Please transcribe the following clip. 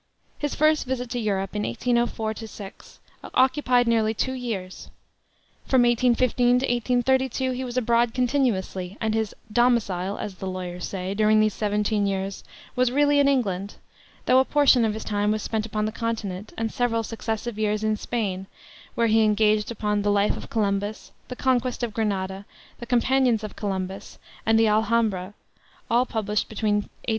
His first visit to Europe, in 1804 6, occupied nearly two years. From 1815 to 1832 he was abroad continuously, and his "domicile," as the lawyers say, during these seventeen years was really in England, though a portion of his time was spent upon the continent, and several successive years in Spain, where he engaged upon the Life of Columbus, the Conquest of Granada, the Companions of Columbus, and the Alhambra, all published between 1828 32.